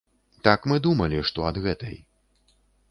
Так мы думалі, што ад гэтай.